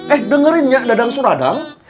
eh dengerin ya dadang suradam